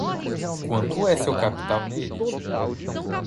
Quanto é o seu capital nele?